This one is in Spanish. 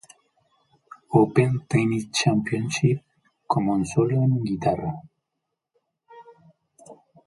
Open Tennis Championship como un solo en guitarra.